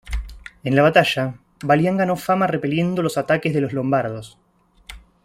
En la batalla, Balián ganó fama repeliendo los ataques de los Lombardos.